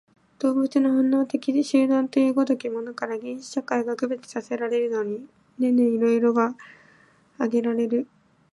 動物の本能的集団という如きものから、原始社会が区別せられるのに、色々特徴が挙げられる。